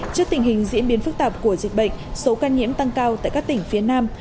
trước tình hình diễn biến phức tạp của dịch bệnh số ca nhiễm tăng cao tại các tỉnh phía nam